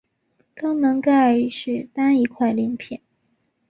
肛门盖是单一块鳞片。